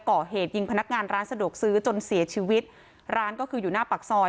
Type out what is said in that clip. ก่อเหตุยิงพนักงานร้านสะดวกซื้อจนเสียชีวิตร้านก็คืออยู่หน้าปากซอย